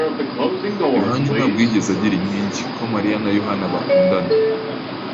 yohani ntabwo yigeze agira inkingi ko Mariya na Yohana bakundana.